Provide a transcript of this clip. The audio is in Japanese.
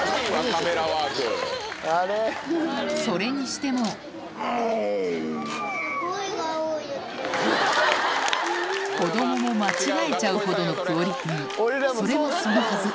それにしても子供も間違えちゃうほどのクオリティーそれもそのはず